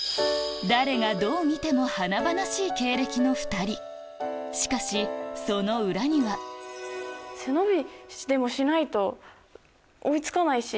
誰がどう見ても華々しい経歴の２人しかしその裏には背伸びでもしないと追い付かないし！